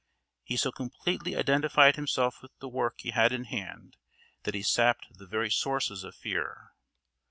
He so completely identified himself with the work he had in hand that he sapped the very sources of fear.